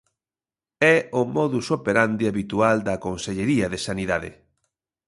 É o modus operandi habitual da Consellería de Sanidade.